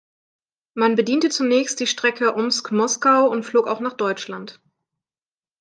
Man bediente zunächst die Strecke Omsk-Moskau und flog auch nach Deutschland.